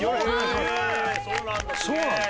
へえそうなんだ。